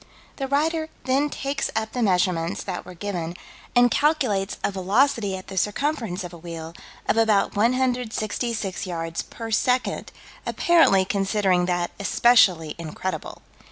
The writer then takes up the measurements that were given, and calculates a velocity at the circumference of a wheel, of about 166 yards per second, apparently considering that especially incredible.